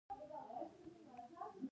موږ څومره بریښنا له ازبکستان اخلو؟